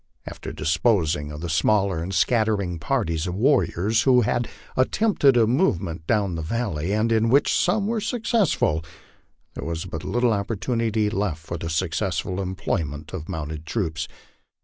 After disposing of the smaller and scattering parties of warriors, who had attempted a more LIFE ON THE PLAINS. 165 ment down the valley, and in which some were successful, there was but little opportunity left for the successful employment of mounted troops.